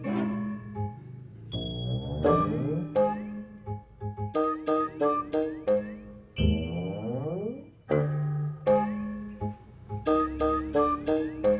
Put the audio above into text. ih mak kan baru berasanya di rumah lo aja sih tadi